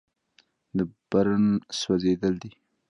د برن سوځېدل دي.